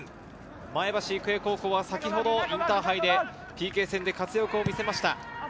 前橋育英高校は先ほどインターハイでＰＫ戦で活躍を見せました。